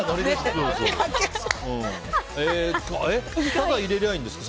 ただ入れればいいんですか？